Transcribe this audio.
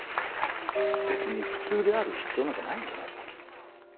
別に普通である必要なんかないんじゃないか？